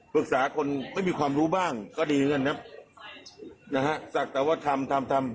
ปรึกษาคนไม่มีความรู้บ้างก็ดีเหมือนกันนะนะฮะศักดิ์แต่ว่าทำทำทำทำ